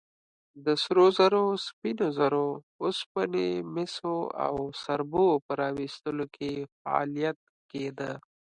د سرو زرو، سپینو زرو، اوسپنې، مسو او سربو په راویستلو کې فعالیت کېده.